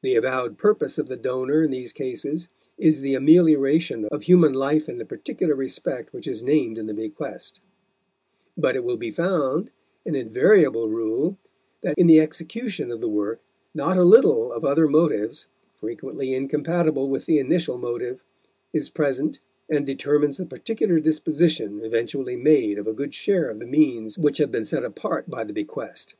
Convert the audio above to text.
The avowed purpose of the donor in these cases is the amelioration of human life in the particular respect which is named in the bequest; but it will be found an invariable rule that in the execution of the work not a little of other motives, frequency incompatible with the initial motive, is present and determines the particular disposition eventually made of a good share of the means which have been set apart by the bequest.